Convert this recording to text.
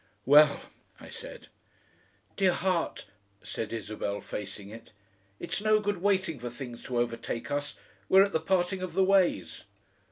"Well!" I said. "Dear heart," said Isabel, facing it, "it's no good waiting for things to overtake us; we're at the parting of the ways."